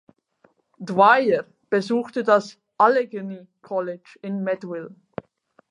Dwyer besuchte das Allegheny College in Meadville.